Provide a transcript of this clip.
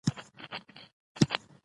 افغانستان کې د نمک د پرمختګ هڅې روانې دي.